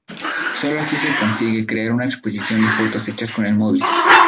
Solo así se consigue crear una exposición de fotos hechas con el móvil.